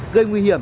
gây nguy hiểm